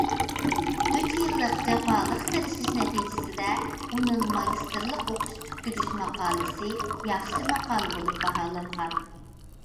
ئۈچ يىللىق جاپالىق تىرىشىش نەتىجىسىدە ئۇنىڭ ماگىستىرلىق ئوقۇش پۈتكۈزۈش ماقالىسى ياخشى ماقالە بولۇپ باھالانغان.